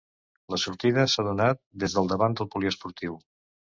La sortida s’ha donat des del davant del poliesportiu.